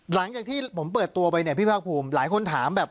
หลังจากที่ผมเปิดตัวไปเนี่ยพี่ภาคภูมิหลายคนถามแบบ